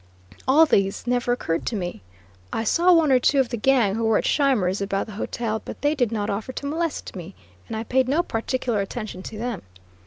All this never occurred to me. I saw one or two of the gang who were at Scheimer's about the hotel, but they did not offer to molest me, and I paid no particular attention to them.